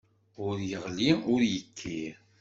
Ur yeɣli, ur yekkir.